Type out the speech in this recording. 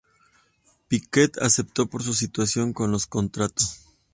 Piquet aceptó por su situación con los contratos.